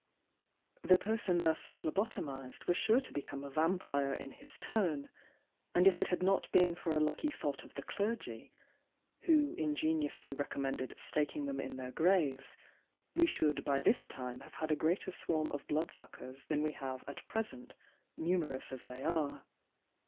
The person thus phlebotomised was sure to become a Vampyre in his turn ; and if it had not been for a lucky thought of the clergy, who ingeniously recommended staking them in their graves, we should by this time have had a greater swarm of blood suck ers than we have at present, numerous as they are.